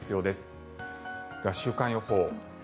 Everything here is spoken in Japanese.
では、週間予報。